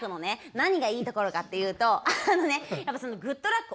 何がいいところかって言うとあのねやっぱその「グッとラック！」